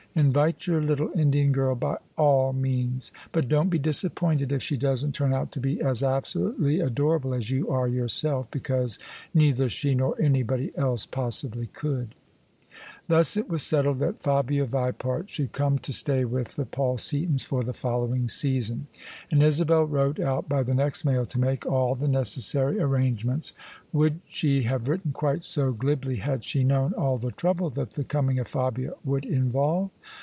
Invite your little Indian girl by all means: but don't be disappointed if she doesn't turn out to be as absolutely adorable as you are yourself: because neither she nor anybody else possibly could." Thus it was settled that Fabia Vipart should come to stay with the Paul Seatons for the following season: and Isabel wrote out by the next mail to make all the necessary THE SUBJECTION OF ISABEL CARNABY arrangements. Would she have written quite so glibly had she known all the trouble that the coming of Fabia would involve?